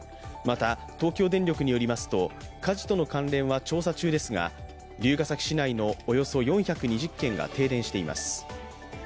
また、東京電力によりますと火事との関連は調査中ですが、龍ケ崎市内のおよそ４２０軒が停電しています。